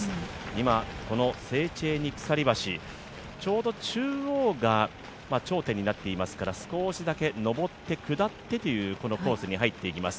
今、このセーチェーニ鎖橋ちょうど中央が頂点になってますから少しだけ上って下ってというコースに入っています。